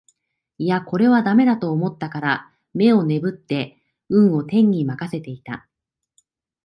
いやこれは駄目だと思ったから眼をねぶって運を天に任せていた